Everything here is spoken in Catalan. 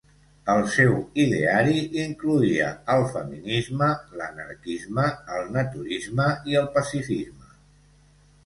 El seu ideari incloïa el feminisme, l'anarquisme, el naturisme i el pacifisme.